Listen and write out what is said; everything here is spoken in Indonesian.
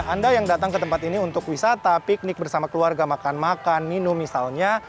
nah anda yang datang ke tempat ini untuk wisata piknik bersama keluarga makan makan minum misalnya